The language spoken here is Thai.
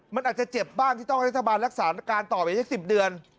มันอาจจะเจ็บบ้างที่ต้องรัฐบาลรักษาการต่อไปสัก๑๐เดือน